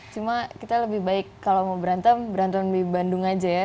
cuma kita lebih baik kalau mau berantem berantem di bandung aja ya